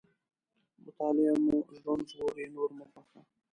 مطالعه مو ژوند ژغوري، نور مو خوښه.